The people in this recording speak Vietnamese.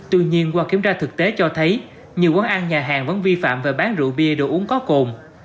tuy nhiên qua kiểm tra thực tế cho thấy nhiều quán ăn nhà hàng vẫn vi phạm về bán rượu bia đồ uống có cồn